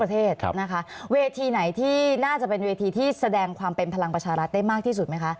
ประเทศนะคะเวทีไหนที่น่าจะเป็นเวทีที่แสดงความเป็นพลังประชารัฐได้มากที่สุดไหมคะ